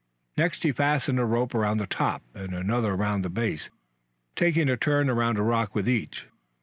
Next he fastened a rope around the top and another around the base, taking a turn around a rock with each.